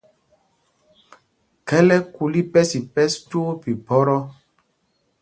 Khɛl ɛkul ipɛs ipɛs twóó phiphɔ́tɔ́.